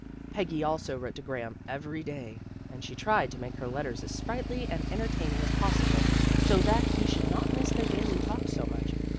Peggy also wrote to Graham every day, and she tried to make her letters as sprightly and entertaining as possible, so that he should not miss their daily talks so much.